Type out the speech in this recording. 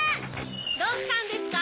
どうしたんですか？